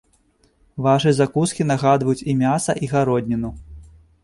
Вашы закускі нагадваюць і мяса і гародніну.